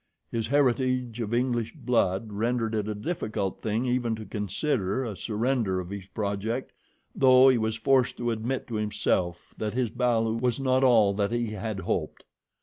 His heritage of English blood rendered it a difficult thing even to consider a surrender of his project, though he was forced to admit to himself that his balu was not all that he had hoped.